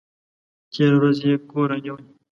تېره ورځ یې کور رانیوی!